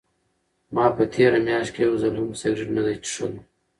ما په تېره میاشت کې یو ځل هم سګرټ نه دی څښلی.